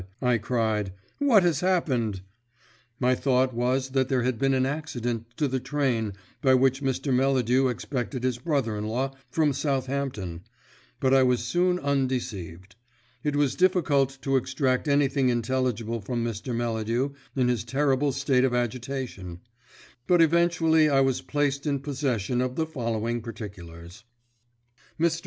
I cried. "What has happened?" My thought was that there had been an accident to the train by which Mr. Melladew expected his brother in law from Southampton, but I was soon undeceived. It was difficult to extract anything intelligible from Mr. Melladew in his terrible state of agitation; but eventually I was placed in possession of the following particulars. Mr.